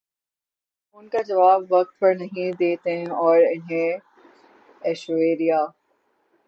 phone کا جواب وقت پر نہیں دیتیں اور انہیں ایشوریا